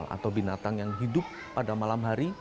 atau binatang yang hidup pada malam hari